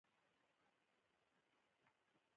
سرف یو محروم انسان و چې هیڅ چاره نه درلوده.